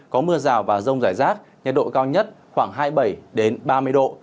có mưa rào và rông rải rác nhiệt độ cao nhất khoảng hai mươi bảy ba mươi độ